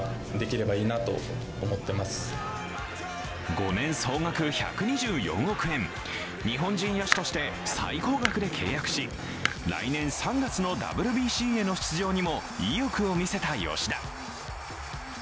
５年総額１２４億円、日本人野手として最高額で契約し来年３月のＷＢＣへの出場にも意欲を見せた吉田。